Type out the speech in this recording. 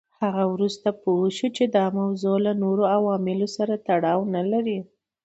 هغه وروسته پوه شو چې دا موضوع له نورو عواملو سره تړاو نه لري.